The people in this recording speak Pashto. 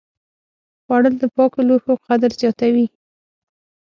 خوړل د پاکو لوښو قدر زیاتوي